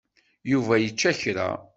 Yuba yečča kra.